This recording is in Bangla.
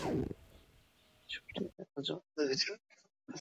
তিনি এই ছুরিটি তিনি একবার হরমুজানের কাছে দেখেছিলেন।